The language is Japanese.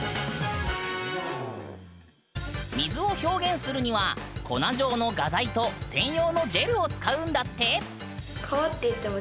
水を表現するには粉状の画材と専用のジェルを使うんだって！